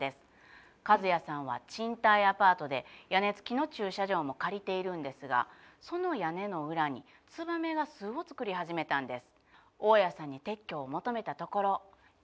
カズヤさんは賃貸アパートで屋根つきの駐車場も借りているんですがその屋根の裏にツバメが巣を作り始めたんです。